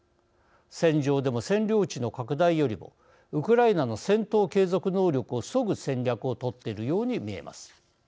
戦場でも占領地の拡大よりもウクライナの戦闘継続能力をそぐ戦略を取っているように見えます。